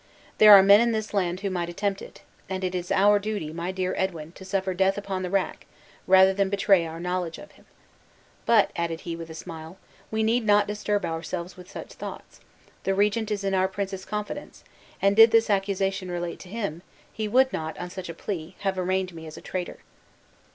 There are men in this land who might attempt it; and it is our duty, my dear Edwin, to suffer death upon the rack, rather than betray our knowledge of him. "But," added he, with a smile, "we need not disturb ourselves with such thoughts the regent is in our prince's confidence; and did this accusation relate to him, he would not, on such a plea, have arraigned me as a traitor."